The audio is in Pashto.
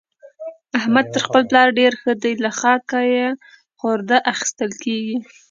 احمد تر خپل پلار ډېر ښه دی؛ له خاکه يې خورده اخېستل کېږي.